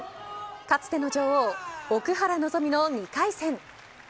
かつての女王奥原希望の２回戦。